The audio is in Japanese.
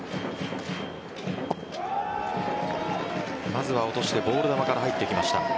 まずは落としてボール球から入っていきました。